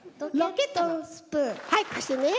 はいかしてね。